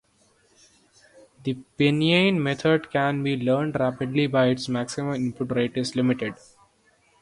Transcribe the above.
The pinyin method can be learned rapidly but its maximum input rate is limited.